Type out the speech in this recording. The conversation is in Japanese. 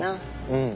うん。